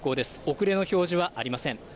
遅れの表示はありません。